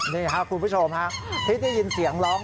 นี่ครับคุณผู้ชมฮะที่ได้ยินเสียงร้อง